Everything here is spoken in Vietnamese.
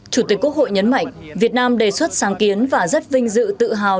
chủ tịch quốc hội nhấn mạnh việt nam đề xuất sáng kiến và rất vinh dự tự hào